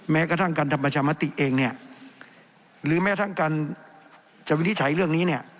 แม้กระทั่งการทำประชามาติเองหรือแม้กระทั่งการจะวิทย์ใช้เรื่องนี้